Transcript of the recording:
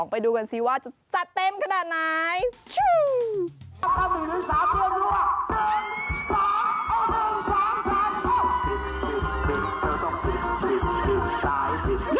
ไปดูกันสิว่าจะจัดเต็มขนาดไหน